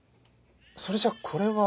それじゃあこれは。